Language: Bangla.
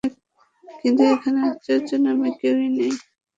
কিন্তু এখানে অর্চনা নামে কেউই নেই।